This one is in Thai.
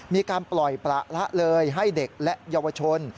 มีการปล่อยประละเลยให้เด็กและเยาวชน